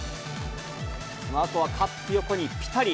そのあとはカップ横にぴたり。